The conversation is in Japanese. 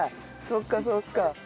そっかそっか。